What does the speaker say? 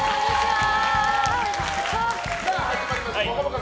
さあ、始まりました「ぽかぽか」